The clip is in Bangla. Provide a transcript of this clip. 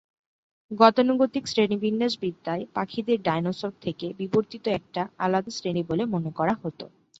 গতানুগতিক শ্রেণীবিন্যাসবিদ্যায় পাখিদের ডাইনোসর থেকে বিবর্তিত একটা আলাদা শ্রেণী বলে মনে করা হত।